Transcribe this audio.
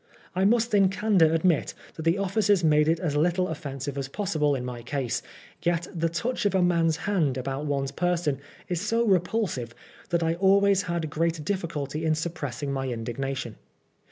I must in candor admit that the officers made it as little offensiye as possible in my case ; yet the touch of a man's hand about one's person is so repulsive, that I always had great difficulty in suppressing my indignation.